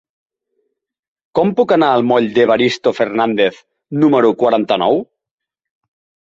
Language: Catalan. Com puc anar al moll d'Evaristo Fernández número quaranta-nou?